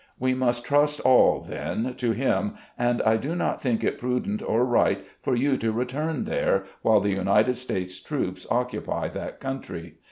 We must trust all then to him, and I do not think it prudent or right for you to return there, while the United States troops occupy that country.